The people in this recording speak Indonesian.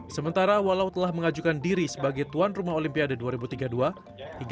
sementara walau telah mengajukan diri sebagai tuan rumah olimpiade dua ribu tiga puluh dua